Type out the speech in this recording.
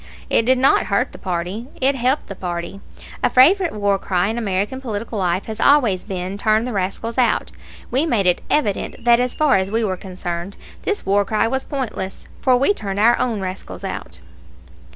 It did not hurt the party. It helped the party. A favorite war cry in American political life has always been, "Turn the rascals out." We made it evident that, as far as we were concerned, this war cry was pointless; for we turned our own rascals out.